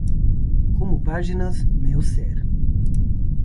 Como páginas, meu ser.